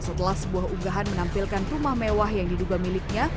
setelah sebuah unggahan menampilkan rumah mewah yang diduga miliknya